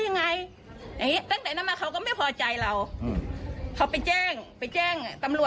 ยังไงตั้งแต่นั้นมาเขาก็ไม่พอใจเราเขาไปแจ้งไปแจ้งตำรวจ